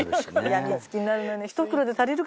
やみつきになるのよね。